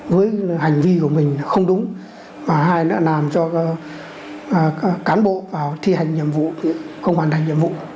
với hành vi của mình không đúng mà oai đã làm cho cán bộ vào thi hành nhiệm vụ không hoàn thành nhiệm vụ